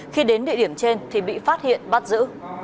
khi đến địa điểm trên thì bị phát hiện bắt giữ